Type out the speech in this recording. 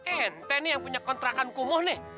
ente nih yang punya kontrakan kumuh nih